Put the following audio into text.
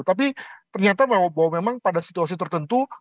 tapi ternyata bahwa memang pada situasi tertentu